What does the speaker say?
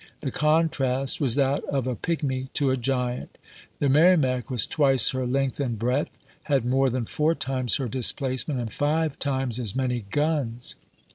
"The contrast was that of a Jones!'' pigmy to a giant." The Merrimac was twice her youtbcra length and breadth, had more than four times her Magazine." ''' ^p'"2oi'*' displacement, and five times as many guns.